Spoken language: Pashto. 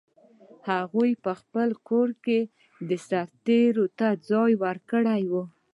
هغوی په خپل کور کې سرتېرو ته ځای ورکړی و.